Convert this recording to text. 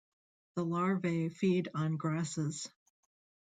The larvae feed on grasses.